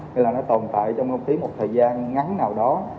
nên nó tồn tại trong thông khí một thời gian ngắn nào đó